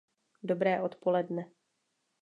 Dobré odpoledne.